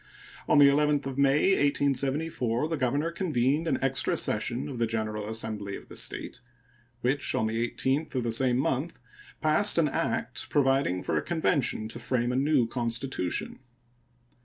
On the 11th of May, 1874, the governor convened an extra session of the general assembly of the State, which on the 18th of the same month passed an act providing for a convention to frame a new constitution.